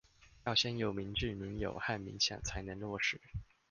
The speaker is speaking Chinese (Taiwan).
先要有民冶，民有和民享才能落實